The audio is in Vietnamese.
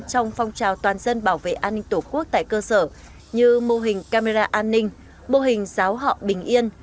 trong phong trào toàn dân bảo vệ an ninh tổ quốc tại cơ sở như mô hình camera an ninh mô hình giáo họ bình yên